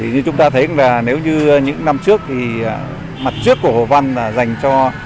như chúng ta thấy nếu như những năm trước mặt trước của hội văn là dành cho